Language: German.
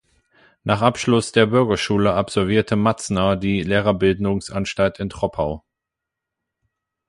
Nach Abschluss der Bürgerschule absolvierte Matzner die Lehrerbildungsanstalt in Troppau.